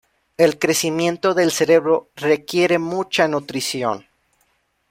El crecimiento del cerebro requiere mucha nutrición.